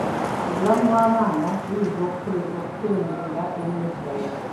Obulamu bwa maama buyinza okukendeera ennyo ddala.